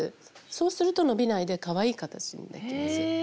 そうすると伸びないでかわいい形にできます。